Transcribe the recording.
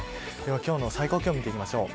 今日の最高気温見ていきます。